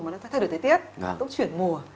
mà nó thay đổi thời tiết tốt chuyển mùa